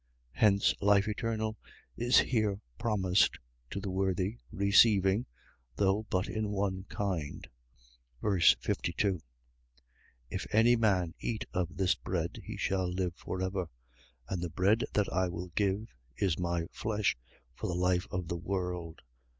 Hence, life eternal is here promised to the worthy receiving, though but in one kind. Ver. 52. If any man eat of this bread, he shall live for ever; and the bread that I will give, is my flesh for the life of the world.